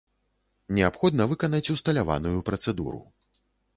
Неабходна выканаць усталяваную працэдуру.